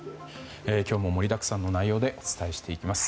今日も盛りだくさんの内容でお伝えしていきます。